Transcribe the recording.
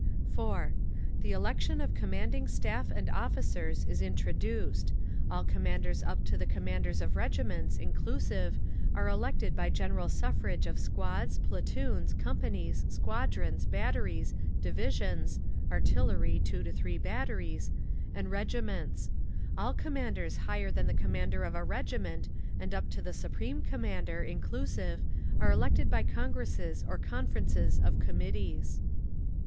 4. The election of commanding Staff and officers is introduced. All commanders up to the commanders of regiments, inclusive, are elected by general suffrage of squads, platoons, companies, squadrons, batteries, divisions (artillery, 2 3 batteries), and regiments. All commanders higher than the commander of a regiment, and up to the Supreme Commander, inclusive, are elected by congresses or conferences of Committees.